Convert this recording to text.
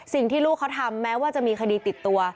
สิ่งที่ลูกเขาทำแม้ว่าจะมีคดีติดตัว